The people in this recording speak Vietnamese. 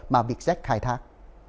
mà vietjet khai thác